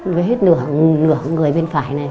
với hết nửa người bên phải này